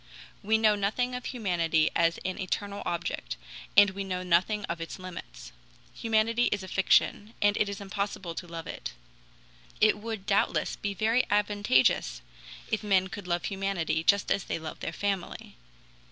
We know nothing of humanity as an eternal object, and we know nothing of its limits. Humanity is a fiction, and it is impossible to love it. It would, doubtless, be very advantageous if men could love humanity just as they love their family.